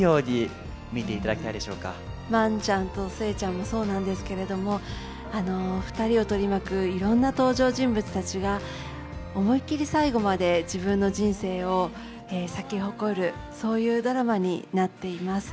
万ちゃんと寿恵ちゃんもそうなんですけれどもあの２人を取り巻くいろんな登場人物たちが思い切り最後まで自分の人生を咲き誇るそういうドラマになっています。